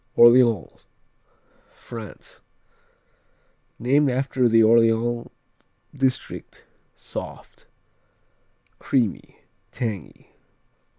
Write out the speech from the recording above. Orléans France Named after the Orléans district Soft; creamy; tangy.